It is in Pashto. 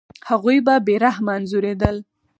هغوی به بې رحمه انځورېدل.